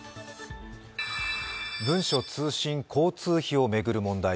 文書通信交通費を巡る問題。